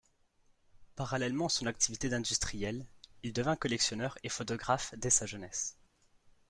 Parallèlement à son activité d'industriel, il devint collectionneur et photographe dès sa jeunesse.